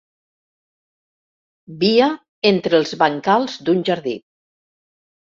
Via entre els bancals d'un jardí.